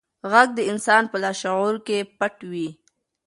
غږ د انسان په لاشعور کې پټ وي.